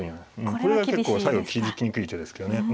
これは結構最後気付きにくい手ですけどね。